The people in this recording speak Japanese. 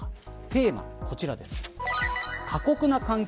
テーマがこちらです。